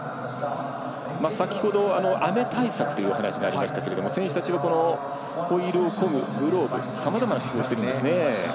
先ほど雨対策というお話がありましたけど選手たちは、ホイールをこぐグローブさまざまな工夫をしていますね。